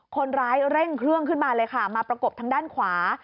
คนร้ายเร่งเครื่องขึ้นมาเลยค่ะมาประกบทางด้านขวา